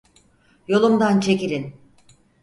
Yolumdan çekilin!